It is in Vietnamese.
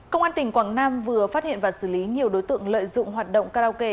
công an tỉnh quảng nam vừa phát hiện và xử lý nhiều đối tượng lợi dụng hoạt động karaoke